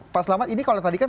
pak selamat ini kalau tadi kan